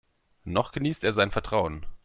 Noch genießt er sein Vertrauen.